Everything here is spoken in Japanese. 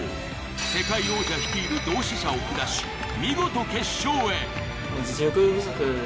世界王者率いる同志社を下し見事決勝へ！